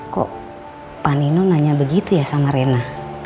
kok pak nino nanya begitu ya sama rena